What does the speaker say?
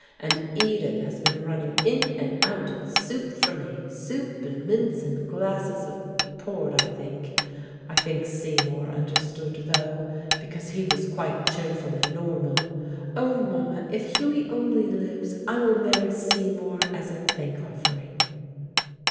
And Edith has been running in and out with soup for me, soup and mince and glasses of port I think I think Seymour understood though, because he was quite cheerful and normal. Oh, Mama, if Hughie only lives, I will marry Seymour as a thank offering."